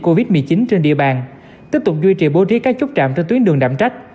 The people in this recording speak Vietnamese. covid một mươi chín trên địa bàn tiếp tục duy trì bố trí các chốt trạm trên tuyến đường đạm trách